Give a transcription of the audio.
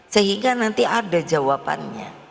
sehingga nanti ada jawabannya